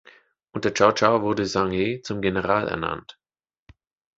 Unter Cao Cao wurde Zhang He zum General ernannt.